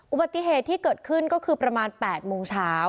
อุบัติเหตุที่เกิดขึ้นก็คือประมาณ๘โมงเช้า